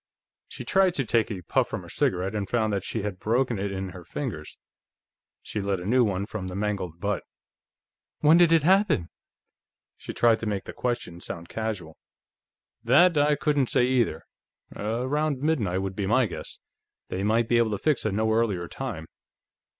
She tried to take a puff from her cigarette and found that she had broken it in her fingers. She lit a new one from the mangled butt. "When did it happen?" She tried to make the question sound casual. "That I couldn't say, either. Around midnight, would be my guess. They might be able to fix a no earlier time."